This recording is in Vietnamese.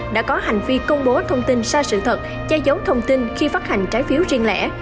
đã có hành vi công bố thông tin sai sự thật che giấu thông tin khi phát hành trái phiếu riêng lẻ